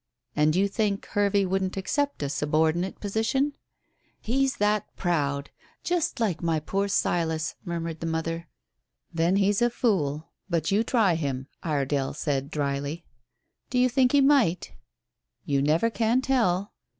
"And you think Hervey wouldn't accept a subordinate position?" "He's that proud. Just like my poor Silas," murmured the mother. "Then he's a fool. But you try him," Iredale said dryly. "Do you think he might?" "You never can tell."